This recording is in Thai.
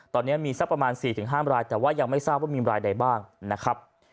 ตอนนี้มีสักประมาณ๔๕รายแต่ว่ายังไม่ทราบว่ามีรายใดบ้างนะครับ